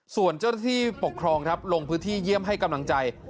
ส่วนเจ้าหน้าที่ปกครองครับลงพื้นที่เยี่ยมให้กำลังใจ